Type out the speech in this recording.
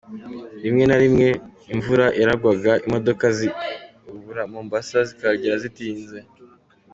Rimwe na rimwe imvura yaragwaga imodoka zibukura Mombasa zikahagera zitinze.